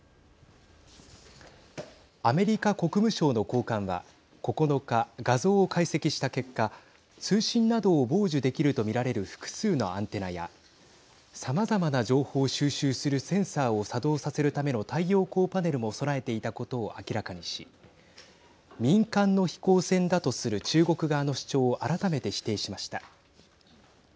アメリカ国務省の高官は９日画像を解析した結果通信などを傍受できると見られる複数のアンテナやさまざまな情報を収集するセンサーを作動させるための太陽光パネルも備えていたことを明らかにし民間の飛行船だとする中国側の主張を改めて否定しました。